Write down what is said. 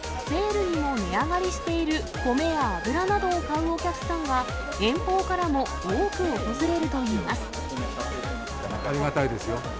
セールにも値上がりしている米や油などを買うお客さんが遠方からありがたいですよ。